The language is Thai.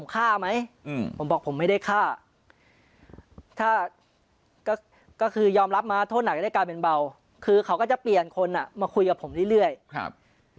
ก็คือยอมรับมาทดหนักได้กลายเป็นเบาคือเขาก็จะเปลี่ยนคนอ่ะมาคุยกับผมเรื่อยครับ